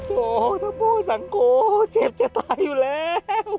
โธ่ทับโภสังโคเจ็บจะตายอยู่แล้ว